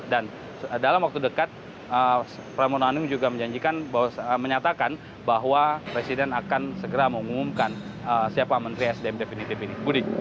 dan dalam waktu dekat pramono anung juga menyatakan bahwa presiden akan segera mengumumkan siapa menteri sdm definitif ini